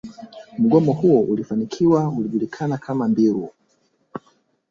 Mgomo huo uliofanikiwa ulijulikana kama mbiru